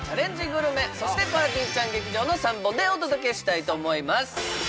グルメそしてぱーてぃーちゃん劇場の３本でお届けしたいと思います